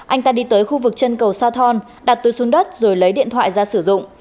anh ta đi tới khu vực chân cầu sa thon đặt túi xuống đất rồi lấy điện thoại ra sử dụng